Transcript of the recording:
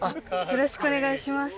よろしくお願いします。